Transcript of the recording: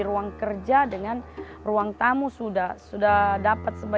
orang jawa itu